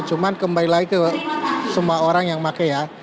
cuman kembali lagi ke semua orang yang pakai ya